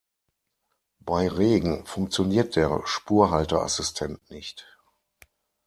Bei Regen funktioniert der Spurhalteassistent nicht.